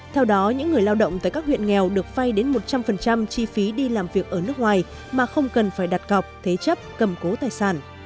theo đó những người lao động tại các huyện nghèo được phay đến một trăm linh chi phí đi làm việc ở nước ngoài mà không cần phải đặt cọc thế chấp cầm cố tài sản